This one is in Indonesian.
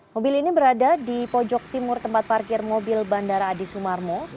mobil ini berada di pojok timur tempat parkir mobil bandara adi sumarmo